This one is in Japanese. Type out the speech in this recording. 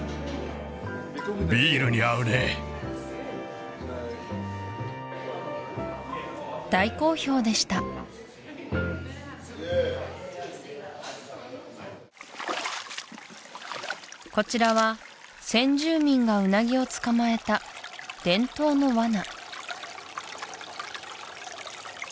ビールに合うね大好評でしたこちらは先住民がウナギを捕まえた伝統のワナ